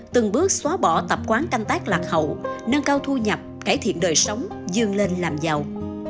từng bước xóa bỏ tập quán canh tác lạc hậu nâng cao thu nhập cải thiện đời sống dương lên làm giàu